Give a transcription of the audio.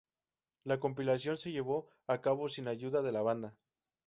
La compilación se llevó a cabo sin ayuda de la banda.